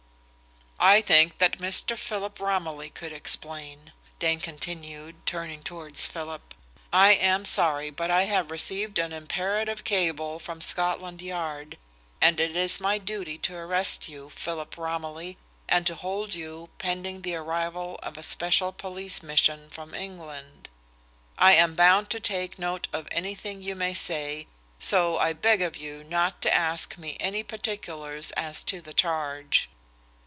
"I think that Mr. Philip Romilly could explain," Dane continued, turning towards Philip. "I am sorry, but I have received an imperative cable from Scotland Yard, and it is my duty to arrest you, Philip Romilly, and to hold you, pending the arrival of a special police mission from England. I am bound to take note of anything you may say, so I beg of you not to ask me any particulars as to the charge."